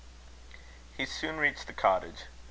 He soon reached the cottage.